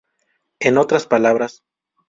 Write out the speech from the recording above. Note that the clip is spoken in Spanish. En otras palabras.